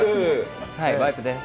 ワイプで。